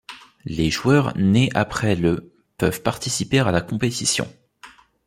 Les joueurs nés après le peuvent participer à la compétition.